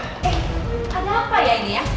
eh ada apa ya ini ya